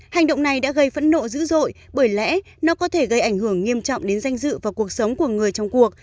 hành động này đã gây phẫn nộ dữ dội bởi lẽ nó có thể gây ảnh hưởng nghiêm trọng đến danh dự và cuộc sống của người trong cuộc